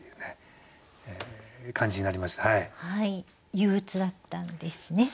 憂鬱だったんですね？